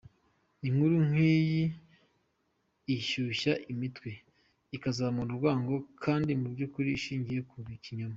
Inkuru nk’iyi ishyushya imitwe, ikazamura urwango kandi mubyukuri ishingiye ku kinyoma.